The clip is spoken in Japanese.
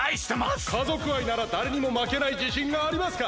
家族愛ならだれにもまけないじしんがありますか？